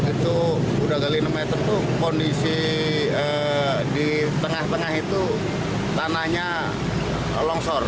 itu udah kali enam meter itu kondisi di tengah tengah itu tanahnya longsor